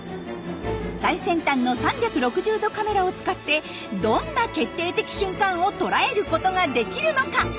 最先端の３６０度カメラを使ってどんな決定的瞬間を捉えることができるのか？